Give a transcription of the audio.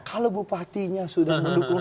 kalau bupatinya sudah mendukung